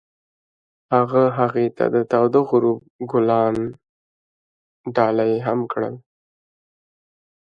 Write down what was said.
هغه هغې ته د تاوده غروب ګلان ډالۍ هم کړل.